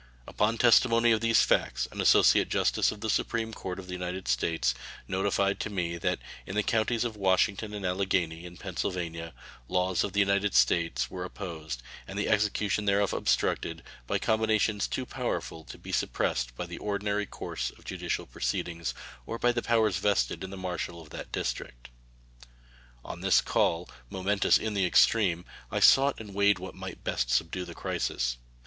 Upon testimony of these facts an associate justice of the Supreme Court of the United States notified to me that "in the counties of Washington and Allegheny, in Pennsylvania, laws of the United States were opposed, and the execution thereof obstructed, by combinations too powerful to be suppressed by the ordinary course of judicial proceedings or by the powers vested in the marshal of that district". On this call, momentous in the extreme, I sought and weighted what might best subdue the crisis.